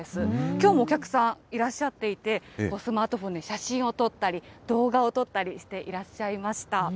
きょうもお客さんいらっしゃっていて、スマートフォンで写真を撮ったり、動画を撮ったりしていらっしゃいました。